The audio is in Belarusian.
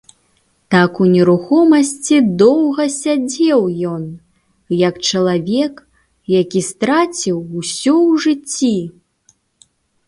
Так у нерухомасці доўга сядзеў ён, як чалавек, які страціў усё ў жыцці.